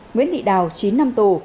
nguyễn thị đào chín năm tù